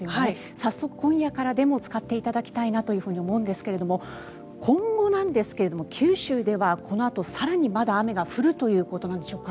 早速、今夜からでも使っていただきたいなと思うんですが今後なんですが、九州ではこのあと更にまだ雨が降るということなんでしょうか。